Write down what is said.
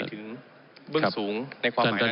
ท่านแรงดี